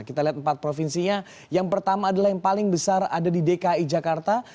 kita lihat empat provinsinya yang pertama adalah yang paling besar ada di dki jakarta